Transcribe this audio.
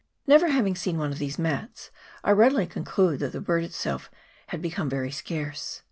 Never having seen one of these mats, I readily con cluded that the bird itself had become very scarce.